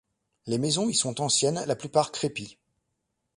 Les maisons y sont anciennes, la plupart crépies.